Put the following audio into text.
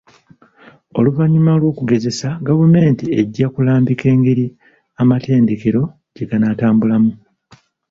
Oluvanyuma lw'okugezesa gavumenti ejja kulambika engeri amatendekero gye ganaatambulamu.